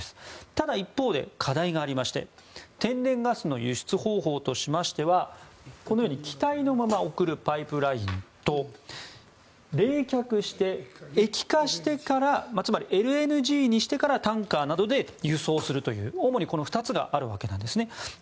ただ、一方で課題がありまして天然ガスの輸出方法としましてはこのように気体のまま送るパイプラインと冷却して液化してからつまりＬＮＧにしてからタンカーなどで輸送するという主に、この２つがあるわけなんですね。